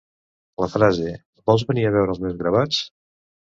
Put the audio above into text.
La frase: Vols venir a veure els meus gravats?